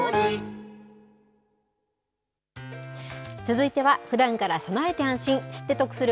続いては、ふだんから備えて安心、知って得する！